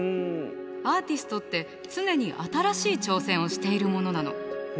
アーティストって常に新しい挑戦をしているものなの。